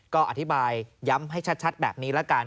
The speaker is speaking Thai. ก็อธิบายย้ำให้ชัดแบบนี้ละกัน